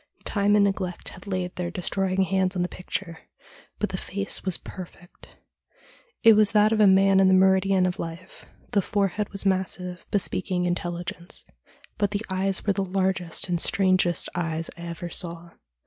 Time and neglect had laid their destroying hands on the picture, but the face was perfect. It was that of a man in the meridian of life ; the forehead was massive, bespeaking intelligence, but the eyes were the largest and strangest eyes I ever saw.